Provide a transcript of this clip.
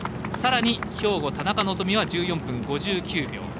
さらに、兵庫田中希実は１４分５９秒。